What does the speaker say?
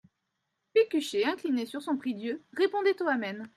Pécuchet incliné sur son prie-Dieu répondait aux Amen.